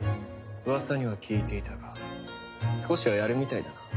噂には聞いていたが少しはやるみたいだな。